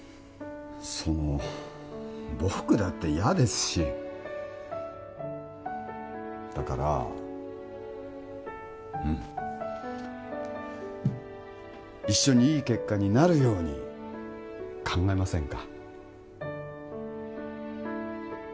その僕だって嫌ですしだからうん一緒にいい結果になるように考えませんか？